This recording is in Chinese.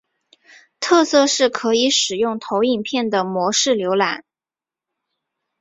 特色是可以使用投影片的模式浏览。